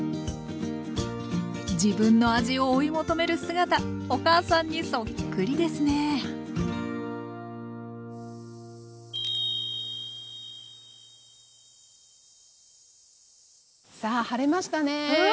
自分の味を追い求める姿お母さんにそっくりですねさあ晴れましたね。